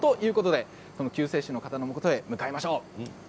救世主の方のもとへ向かいましょう。